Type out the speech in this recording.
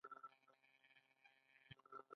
بخدي د بیرغونو ښار مانا لري